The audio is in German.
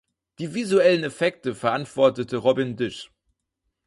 Die visuellen Effekte verantwortete Robin Disch.